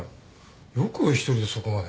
よく１人でそこまで。